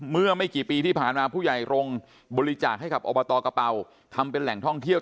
เมื่อไม่กี่ปีที่ผ่านมาผู้ใหญ่รงค์บริจาคให้กับอบตกระเป๋าทำเป็นแหล่งท่องเที่ยว